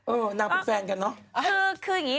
เออนางเป็นแฟนกันเนอะคืออย่างนี้